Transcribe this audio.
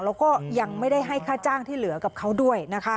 แล้วก็ยังไม่ได้ให้ค่าจ้างที่เหลือกับเขาด้วยนะคะ